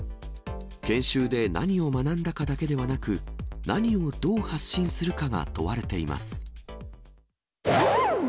研修で何を学んだかだけではなく、何をどう発信するかが問われています。